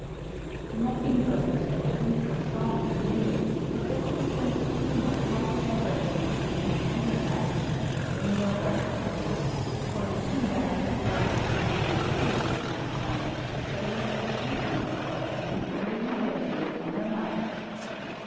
The mockingbird, that prince of song and mimics, possesses a sense of humor highly diverting and very humanlike the male bird that is, for the female views life from a more serious standpoint, her domestic duties, it would seem, weighing heavily upon her mind.